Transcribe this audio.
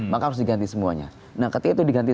maka harus diganti semuanya nah ketika itu diganti